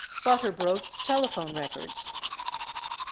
45 Butterbrodt? s telephone records.